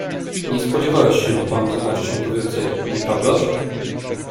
"Nie spodziewałeś się pan zobaczyć mnie tu więcej, nieprawdaż?"